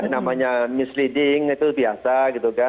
namanya misleading itu biasa